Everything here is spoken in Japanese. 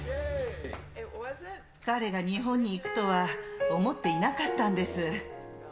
彼が日本に行くとは、思っていなかったんです。